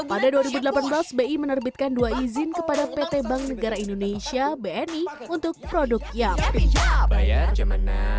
pada dua ribu delapan belas bi menerbitkan dua izin kepada pt bank negara indonesia bni untuk produk ya